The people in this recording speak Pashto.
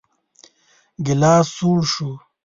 ګيلاس سوړ شو.